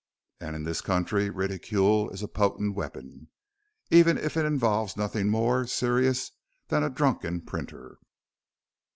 And in this country ridicule is a potent weapon even if it involves nothing more serious than a drunken printer."